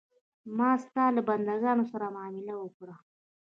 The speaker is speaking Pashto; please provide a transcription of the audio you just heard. ما ستا له بندګانو سره معامله وکړه.